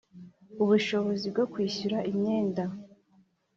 Ubushobozi bwo kwishyura imyenda